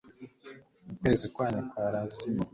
ukwezi kwanyu kwarazimiye